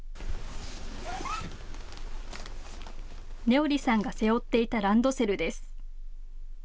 音織さんが背負っていたランドセルです。